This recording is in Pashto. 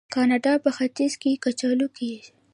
د کاناډا په ختیځ کې کچالو کیږي.